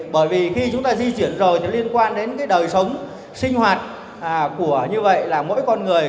bởi vì khi chúng ta di chuyển rồi thì liên quan đến cái đời sống sinh hoạt của như vậy là mỗi con người